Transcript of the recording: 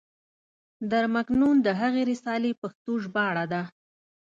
در مکنون د هغې رسالې پښتو ژباړه ده.